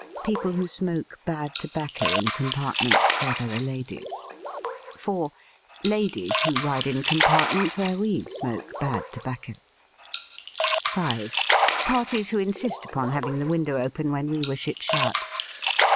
People who smoke bad tobacco in compartments where there are ladies. 4. Ladies who ride in compartments where we smoke bad tobacco. 5. Parties who insist upon having the window open when we wish it shut.